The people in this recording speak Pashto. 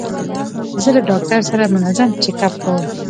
زه له ډاکټر سره منظم چیک اپ کوم.